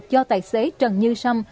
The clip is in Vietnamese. do tài xế trần như sâm